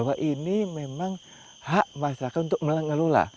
karena memang hak masyarakat untuk mengelola